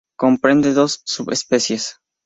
Comprende dos subespecies.